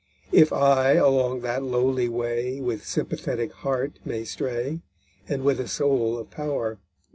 If I along that lowly way With sympathetic heart may stray And with a soul of power_.